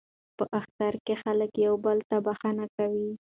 په اختر کې خلک یو بل ته بخښنه کوي.